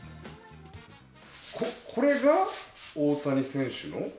これが大谷選手の？